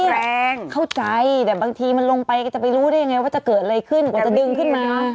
ว่าจะเกิดอะไรขึ้นกว่าจะดึงขึ้นมา